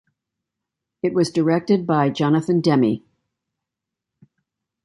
It was directed by Jonathan Demme.